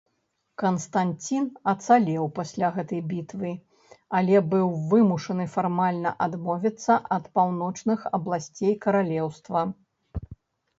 Канстанцін ацалеў пасля гэтай бітвы, але быў вымушаны фармальна адмовіцца ад паўночных абласцей каралеўства.